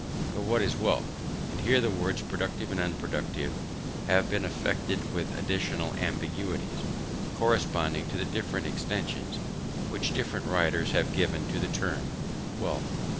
But what is wealth? And here the words productive and unproductive have been affected with additional ambiguities, corresponding to the different extension which different writers have given to the term wealth.